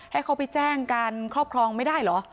ให้เขาไปแจ้งการครอบครองไม่ได้เหรอ